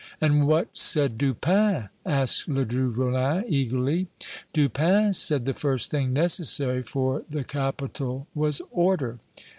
"And what said Dupin?" asked Ledru Rollin, eagerly. "Dupin said the first thing necessary for the capital was order.